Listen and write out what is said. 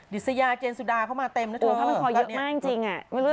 ดิพริษยาเจนสุดาเดี๋ยวมาเต็มนะจัง